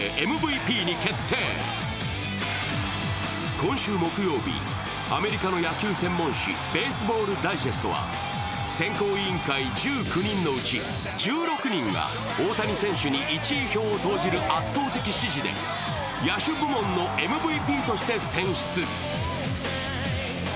今週木曜日、アメリカの野球専門誌「ベースボール・ダイジェスト」は選考委員会１９人のうち１６人が大谷選手に１位票を投じる圧倒的支持で野手部門のＭＶＰとして選出。